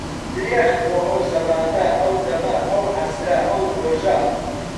درێخ بۆ ئەو زەمانە، ئەو دەمە، ئەو عەسرە، ئەو ڕۆژە